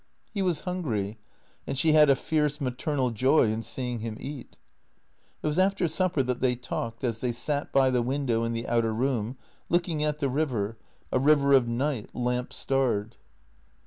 He was hungry, and she had a fierce maternal joy in seeing him eat. It was after supper that they talked, as they sat by the window in the outer room, looking at the river, a river of night, lamp starred.